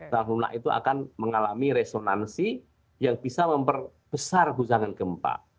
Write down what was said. tanah lunak itu akan mengalami resonansi yang bisa memperbesar guncangan gempa